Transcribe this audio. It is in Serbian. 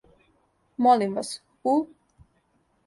Молим вас, у?